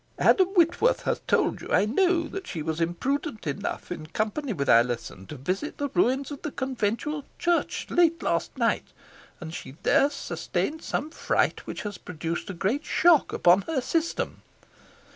Adam Whitworth has told you, I know, that she was imprudent enough, in company with Alizon, to visit the ruins of the conventual church late last night, and she there sustained some fright, which has produced a great shock upon her system.